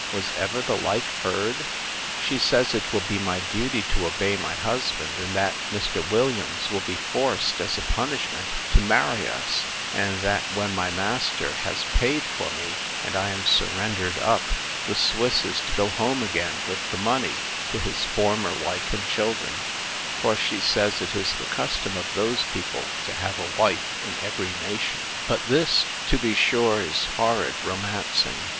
—Was ever the like heard?—She says it will be my duty to obey my husband; and that Mr. Williams will be forced, as a punishment, to marry us; and that, when my master has paid for me, and I am surrendered up, the Swiss is to go home again, with the money, to his former wife and children; for, she says, it is the custom of those people to have a wife in every nation. But this, to be sure, is horrid romancing!